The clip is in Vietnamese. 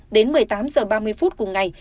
đến một mươi tám h ba mươi phút cùng ngày